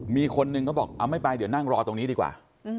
มีคนหนึ่งเขาบอกเอาไม่ไปเดี๋ยวนั่งรอตรงนี้ดีกว่า